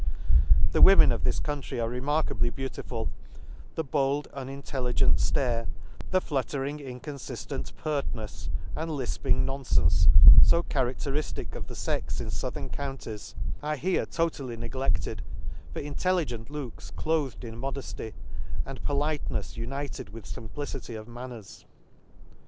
The women of this country are re markably beautiful ;— the bold unintelli gent flare, the fluttering inconfiflent pert iiefs, and lifping nonfenfe, fo charac teriitic of the fex in fouthern counties^ are ic2 ' An Excursion t$ are here totally negledted, for, intelligent looks cloathed in modefty, and politenef$ united with fimplicity of manners.